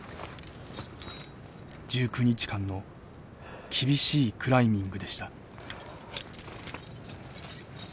１９日間の厳しいクライミングでした。